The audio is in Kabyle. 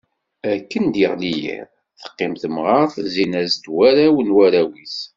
Akken d-yeɣli yiḍ, teqqim temɣert zzin-as-d warraw n warraw-is.